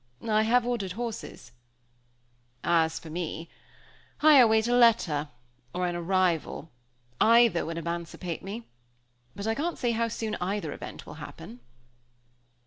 "I have ordered horses." "As for me I await a letter, or an arrival, either would emancipate me; but I can't say how soon either event will happen."